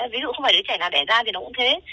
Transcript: ví dụ không phải đứa trẻ nào đẻ ra thì nó cũng thế